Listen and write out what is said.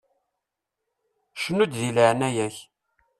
Cnu-d di leɛnaya-k!